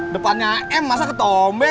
depannya m masa ketombe